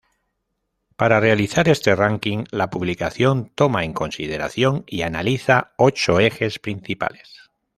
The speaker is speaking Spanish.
Para realizar este ranking, la publicación toma en consideración y analiza ocho ejes principales.